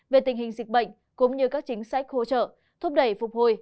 về tình hình dịch bệnh cũng như các chính sách hỗ trợ thúc đẩy phục hồi